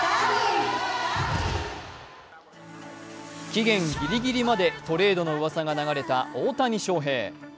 期限ギリギリまでトレードのうわさが流れた大谷翔平。